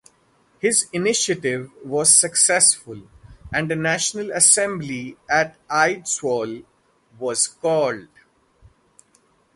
His initiative was successful, and a national assembly at Eidsvoll was called.